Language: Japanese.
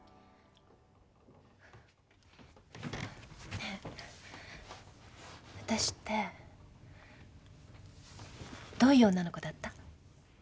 ねぇわたしってどういう女の子だった？